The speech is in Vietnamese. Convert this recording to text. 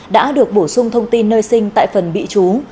đã được bổ sung thông tin nơi sinh tại phần bị chú